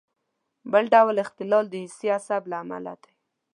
بل ډول اختلال د حسي عصب له امله دی.